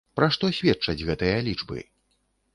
Пра што сведчаць гэтыя лічбы?